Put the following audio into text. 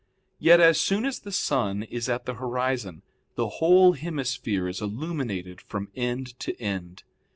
Yet as soon as the sun is at the horizon, the whole hemisphere is illuminated from end to end.